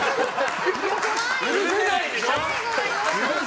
許せない！でしょ？